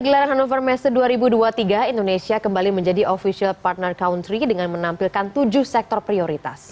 gelaran hannover messe dua ribu dua puluh tiga indonesia kembali menjadi official partner country dengan menampilkan tujuh sektor prioritas